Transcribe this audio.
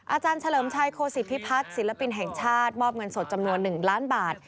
อาจารย์เฉลิมชัยโคศิพิพัฒน์ศิลปินแห่งชาติมอบเงินสดจำนวน๑ล้านบาท